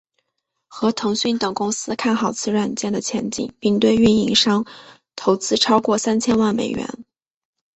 和腾讯等公司看好此软件的前景并对运营商投资超过三千万美元。